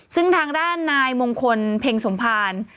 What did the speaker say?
ซึ่งทางด้านนายมงคลเพ็งสมภาร